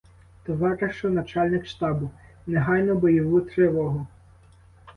Товаришу начальник штабу, негайно бойову тривогу!